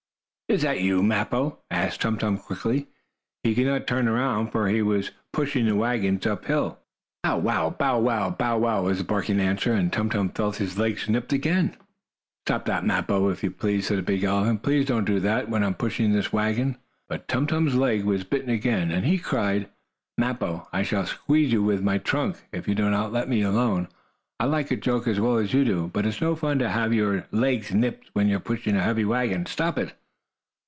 "Is that you, Mappo?" asked Tum Tum quickly. He could not turn around, for he was pushing the wagon up hill. "Bow wow! Bow wow! Bow wow!" was the barking answer, and Tum Tum felt his legs nipped again. "Stop that, Mappo, if you please," said the big elephant. "Please don't do that, when I am pushing this wagon." But Tum Tum's leg was bitten again, and he cried: "Mappo, I shall squeeze you in my trunk, if you do not let me alone. I like a joke as well as you do, but it is no fun to have your legs nipped when you are pushing a heavy wagon. Stop it!"